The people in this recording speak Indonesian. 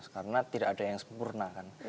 karena tidak ada yang sempurna kan